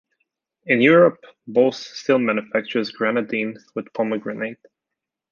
In Europe, Bols still manufactures grenadine with pomegranate.